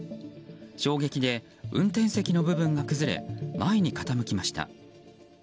衝撃で運転席の部分が崩れ前に傾きました。